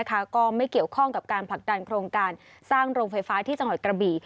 ก็ไม่เกี่ยวข้องกับการผลักดันโครงการสร้างโรงไฟฟ้าที่จังหวัดกระบี่